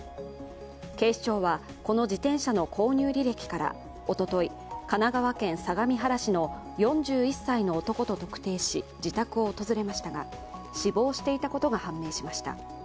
警視庁はこの自転車の購入履歴からおととい、神奈川県相模原市の４１歳の男と特定し、自宅を訪れましたが死亡していたことが判明しました。